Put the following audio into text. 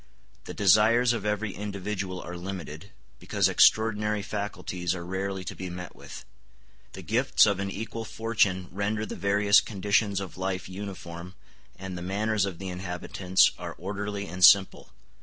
The desires of every individual are limited, because extraordinary faculties are rarely to be met with. The gifts of an equal fortune render the various conditions of life uniform, and the manners of the inhabitants are orderly and simple.